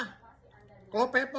saya makan pakai apa